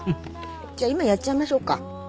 じゃあ今やっちゃいましょうか？